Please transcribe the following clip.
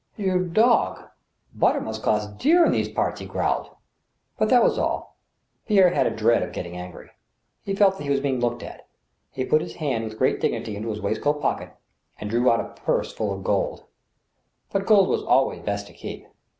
" You dog ! Butter must cost dear in these parts," he growled. But that was all. Pierre had a dread of getting angry. He felt that he was being looked at. He put his hand with great dignity into his waistcoat pocket, and drew out a purse full of gold. But A MIDNIGHT SUPPER. 31 gold it was always best to keep.